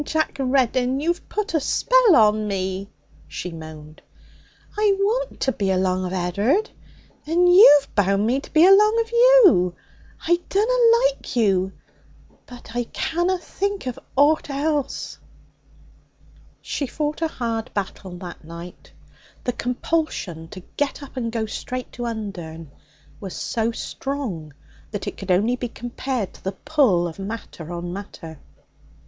Jack Reddin! You've put a spell on me!' she moaned. 'I want to be along of Ed'ard, and you've bound me to be along of you. I dunna like you, but I canna think of ought else!' She fought a hard battle that night. The compulsion to get up and go straight to Undern was so strong that it could only be compared to the pull of matter on matter.